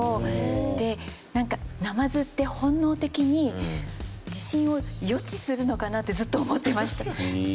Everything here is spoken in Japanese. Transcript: ナマズって本能的に地震を予知するのかなってずっと思ってました。